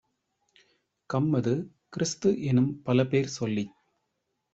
கம்மது, கிறிஸ்து-எனும் பலபேர் சொல்லிச்